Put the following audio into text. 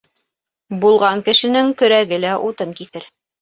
Булған кешенең көрәге лә утын киҫер.